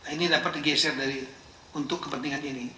ini dapat digeser untuk kepentingan ini